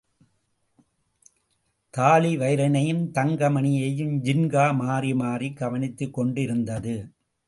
தாழிவயிறனையும் தங்க மணியையும் ஜின்கா மாறி மாறிக் கவனித்துக்கொண்டிருந்தது.